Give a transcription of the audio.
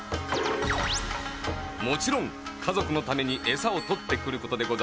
もちろんかぞくのためにえさをとってくることでござんすよ。